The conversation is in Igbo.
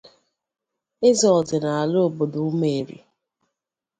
eze ọdịnala obodo Ụmụeri